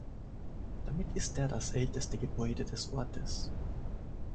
Damit ist er das älteste Gebäude des Ortes.